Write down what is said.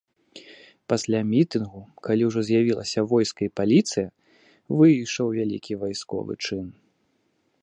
Пасля мітынгу, калі ўжо з'явілася войска і паліцыя, выйшаў вялікі вайсковы чын.